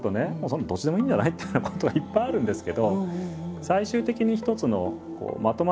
そんなのどっちでもいいんじゃない？っていうようなことはいっぱいあるんですけど。